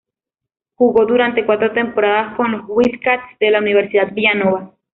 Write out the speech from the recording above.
Jugó durante cuatro temporadas con los "Wildcats" de la Universidad Villanova.